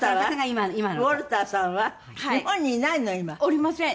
おりません。